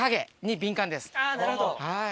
なるほど。